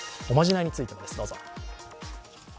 おまじないについてです。